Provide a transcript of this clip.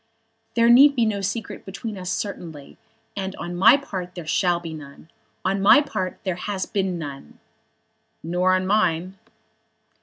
"There need be no secret between us certainly, and on my part there shall be none. On my part there has been none." "Nor on mine."